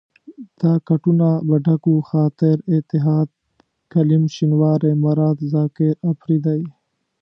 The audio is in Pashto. دا کټونه به ډک وو، خاطر، اتحاد، کلیم شینواری، مراد، زاکر اپرېدی.